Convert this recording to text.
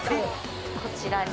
こちらに。